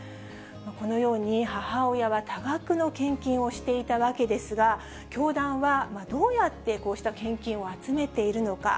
このように母親は多額の献金をしていたわけですが、教団はどうやってこうした献金を集めているのか。